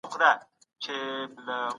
خلګ خپل توکي په پیسو پلوري.